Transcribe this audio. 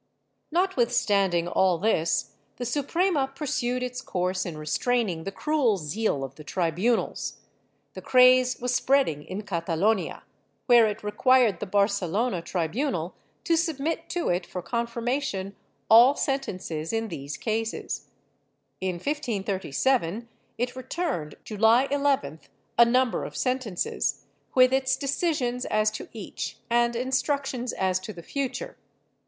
^ Notwithstanding all this, the Suprema pursued its course in restraining the cruel zeal of the tribunals. The craze was spreading in Catalonia, where it required the Barcelona tribunal to submit to it for confirmation all sentences in these cases. In 1537, it returned, July 11th, a number of sentences, with its decisions as to each, and instructions as to the future.